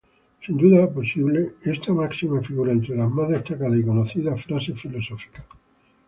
Sin duda posible, esta máxima figura entre las más destacadas y conocidas frases filosóficas.